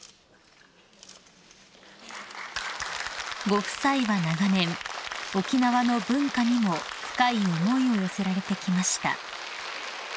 ［ご夫妻は長年沖縄の文化にも深い思いを寄せられてきました］